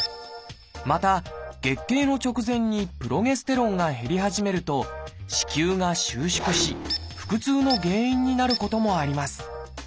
また月経の直前にプロゲステロンが減り始めると子宮が収縮し腹痛の原因になることもあります。